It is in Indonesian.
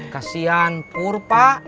kasian pur pak